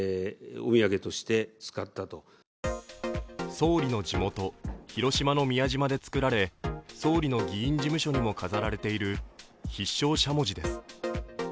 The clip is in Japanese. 総理の地元広島の宮島で作られ、総理の議員事務所にも飾られている必勝しゃもじです。